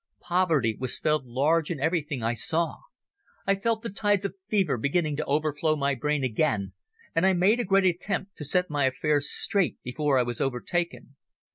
Poverty was spelled large in everything I saw. I felt the tides of fever beginning to overflow my brain again, and I made a great attempt to set my affairs straight before I was overtaken.